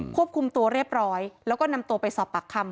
ควบคุมตัวเรียบร้อยแล้วก็นำตัวไปสอบปากคำ